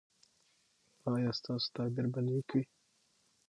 ایا ستاسو تعبیر به نیک وي؟